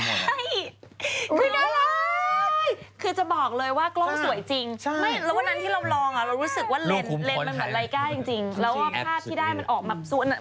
วันนั้นที่เราลองเรารู้สึกว่าเลนส์มันเหมือนไร้ก้าจริง